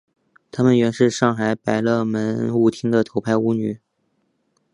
她原是上海百乐门舞厅的头牌舞女。